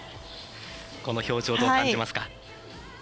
この表情、どう感じますか。